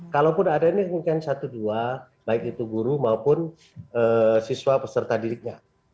kalaupun ada ini mungkin satu dua baik itu guru maupun siswa peserta didiknya